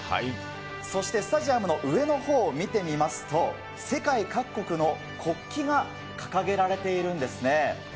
そしてスタジアムの上のほうを見てみますと、世界各国の国旗が掲げられているんですね。